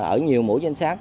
ở nhiều mũi danh sát